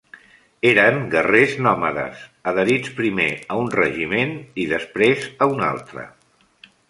Eren guerrers nòmades, adherits primer a un regiment i després a un altre.